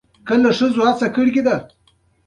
کله ښځو هڅه کړې